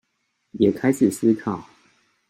也開始思考